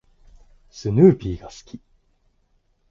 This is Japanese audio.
スヌーピーが好き。